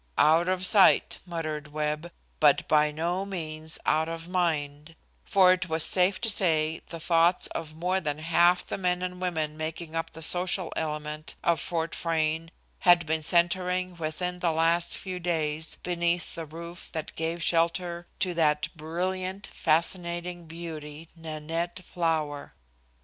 "Out of sight," muttered Webb, "but by no means out of mind," for it was safe to say the thoughts of more than half the men and women making up the social element of Fort Frayne had been centering within the last few days beneath the roof that gave shelter to that brilliant, fascinating beauty Nanette Flower.